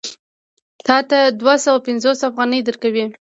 تا ته دوه سوه پنځوس افغانۍ درکوي